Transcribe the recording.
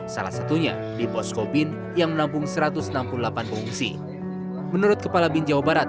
salah satunya di posko bin yang menampung satu ratus enam puluh delapan pengungsi menurut kepala bin jawa barat